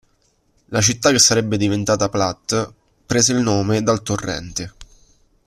La città che sarebbe diventata Platte prese il nome dal torrente.